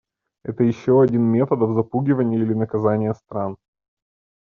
Это еще один методов запугивания или наказания стран.